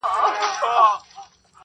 او هندارې وي